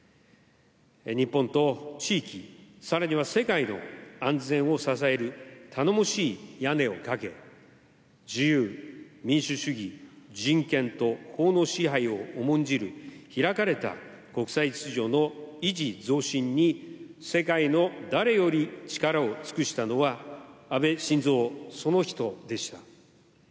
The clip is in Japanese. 日本と地域、さらには世界の安全を支える頼もしい屋根をかけ、自由民主主義、人権と法の支配を重んじる、開かれた国際秩序の維持増進に、世界の誰より力を尽くしたのは、安倍晋三その人でした。